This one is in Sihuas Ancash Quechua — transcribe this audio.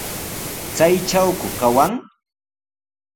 ¿Chaytrawku kawan?